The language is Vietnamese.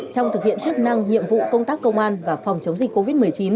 trong thực hiện chức năng nhiệm vụ công tác công an và phòng chống dịch covid một mươi chín